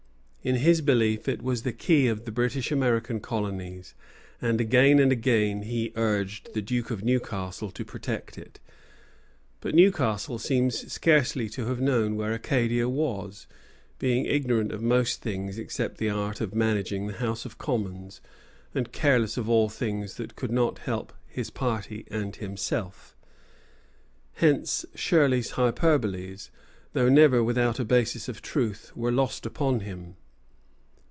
In his belief, it was the key of the British American colonies, and again and again he urged the Duke of Newcastle to protect it. But Newcastle seems scarcely to have known where Acadia was, being ignorant of most things except the art of managing the House of Commons, and careless of all things that could not help his party and himself. Hence Shirley's hyperboles, though never without a basis of truth, were lost upon him.